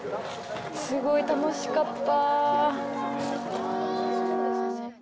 すごい楽しかった。